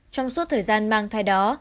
trong suốt thời gian mang thai đó